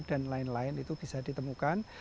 dan lain lain itu bisa ditemukan